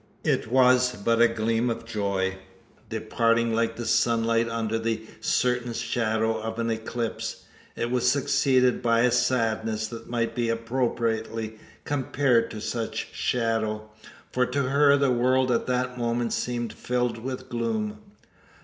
It was but a gleam of joy, departing like the sunlight under the certain shadow of an eclipse. It was succeeded by a sadness that might be appropriately compared to such shadow: for to her the world at that moment seemed filled with gloom.